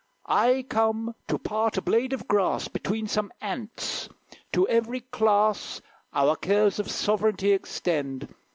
"I come to part a blade of grass Between some ants. To every class Our cares of sovereignty extend.